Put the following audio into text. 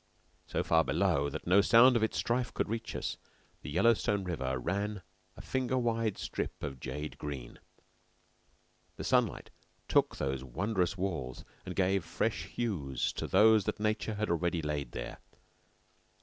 So far below that no sound of its strife could reach us, the Yellowstone River ran a finger wide strip of jade green. The sunlight took those wondrous walls and gave fresh hues to those that nature had already laid there.